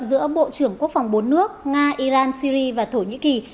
giữa bộ trưởng quốc phòng bốn nước nga iran syri và thổ nhĩ kỳ